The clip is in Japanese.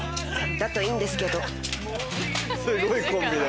だといいんですけど。